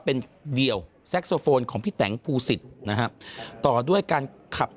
เป็นเดี่ยวแซ็กโซโฟนของพี่แตงภูสิตนะฮะต่อด้วยการขับ